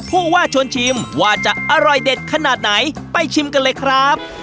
ผู้ว่าชวนชิมว่าจะอร่อยเด็ดขนาดไหนไปชิมกันเลยครับ